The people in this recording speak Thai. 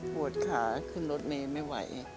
ปวดขาขึ้นรถเมย์ไม่ไหว